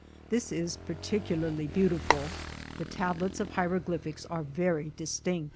This is particularly beautiful. The tablets of hieroglyphics are very distinct.